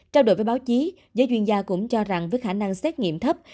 trao đổi với báo chí giới chuyên gia cũng cho rằng với khả năng xét nghiệm thấp